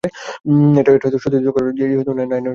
এটা সত্যিই দুঃখজনক যে নায়না এরকম কিছু করতে পারে।